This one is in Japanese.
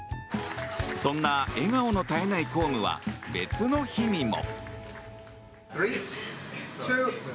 そんな笑顔の絶えない公務は別の日にも。